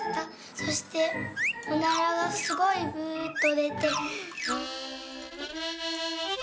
そしておならがすごい『ブーッ』とでて」。